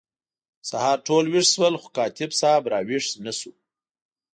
سهار ټول ویښ شول خو کاتب صاحب را ویښ نه شو.